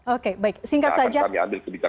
oke baik singkat saja